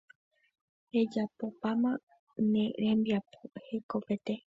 rejapopáma ne rembiapo hekopete